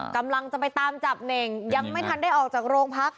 กำลังจะไปตามจับเน่งยังไม่ทันได้ออกจากโรงพัก